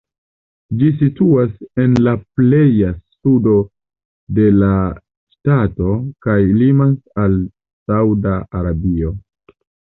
Ĝi situas en la pleja sudo de la ŝtato kaj limas al Sauda Arabio.